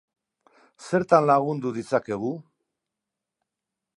Zertan lagundu ditzakegu?